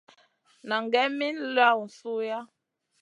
Nan gai min lawn suiʼa.